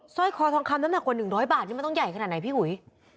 ร้อยคอทองคำน้ำหนักกว่า๑๐๐บาทนี่มันต้องใหญ่ขนาดไหนพี่อุ๋ย